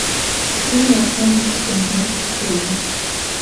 Расліны ў асноўным са скандынаўскіх краін.